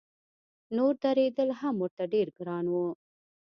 نور درېدل هم ورته ډېر ګران و.